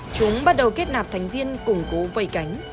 chúng bắt đầu kết nạp thành viên củng cố vây cánh